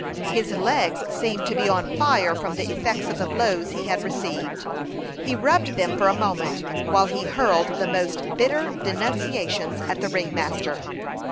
His legs seemed to be on fire from the effects of the blows he had received. He rubbed them for a moment, while he hurled the most bitter denunciations at the ring master.